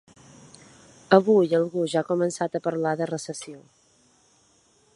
Avui algú ja ha començat a parlar de recessió.